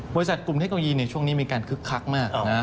บริษัทกลุ่มเทคโนโลยีช่วงนี้มีการคึกคักมาก